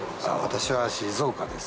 私は静岡です。